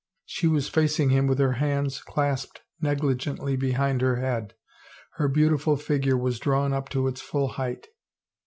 She was facing him with her hands clasped negli gently behind her head, her beautiful figure was drawn up to its full height.